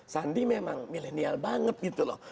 sandi memang milenial banget gitu loh